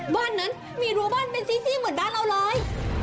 บ้านนั้นมีรั้วบ้านเป็นซี่เหมือนบ้านเราเลย